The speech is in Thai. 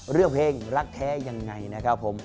เรื่องเพลงรักแท้ยังไงนะครับผม